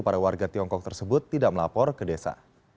para warga tiongkok tersebut tidak melapor ke desa